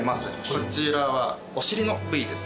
こちらはお尻の部位ですね。